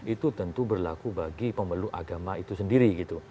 itu tentu berlaku bagi pemeluk agama itu sendiri gitu